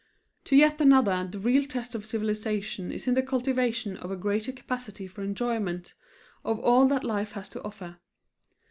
To yet another the real test of civilization is in the cultivation of a greater capacity for enjoyment of all that life has to offer.